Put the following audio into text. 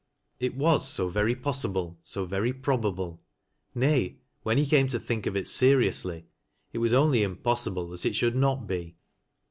It was so very possible, so verj' probable; nay, when he came to think of it seriously, it was only impossible that it should not be.